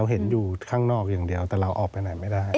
เห็นอยู่ข้างนอกอย่างเดียวแต่เราออกไปไหนไม่ได้